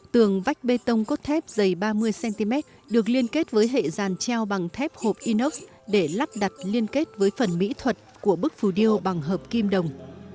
tường vách bê tông cốt thép dày ba mươi cm được liên kết với hệ dàn treo bằng thép hộp inox để lắp đặt liên kết với phần mỹ thuật của bức phù điêu bằng hợp kim đồng